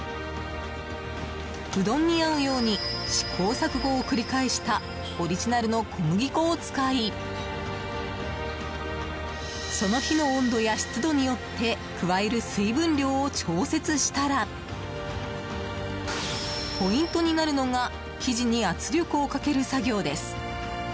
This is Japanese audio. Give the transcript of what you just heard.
うどんに合うように試行錯誤を繰り返したオリジナルの小麦粉を使いその日の温度や湿度によって加える水分量を調節したらポイントになるのが生地に圧力をかける作業です。